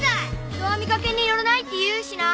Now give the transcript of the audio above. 人は見かけによらないって言うしな。